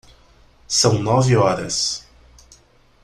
São nove horas.